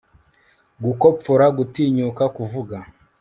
gukopfora gutinyuka kuvuga